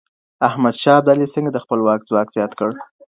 احمد شاه ابدالي څنګه د خپل واک ځواک زيات کړ؟